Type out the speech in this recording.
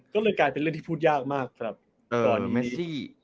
ก็เลยกลายเป็นเรื่องที่พูดยากมากสำหรับกรณีนี้